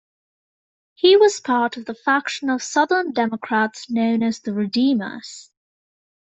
He was part of the faction of Southern Democrats known as the Redeemers.